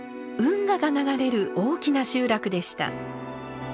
運河が流れる大きな集落でした。